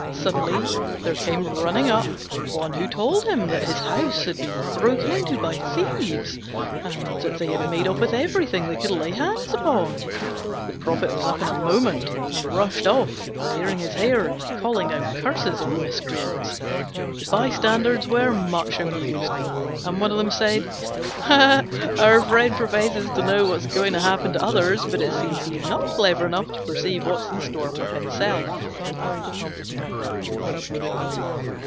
Suddenly there came running up one who told him that his house had been broken into by thieves, and that they had made off with everything they could lay hands on. He was up in a moment, and rushed off, tearing his hair and calling down curses on the miscreants. The bystanders were much amused, and one of them said, "Our friend professes to know what is going to happen to others, but it seems he's not clever enough to perceive what's in store for himself."